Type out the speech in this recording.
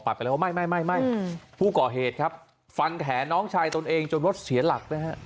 ปรับแล้วไม่ภูเกาะเหตุครับฟันแขนน้องชายตัวเองจนรถเสียหลักไปชนกับรถกระบะครับ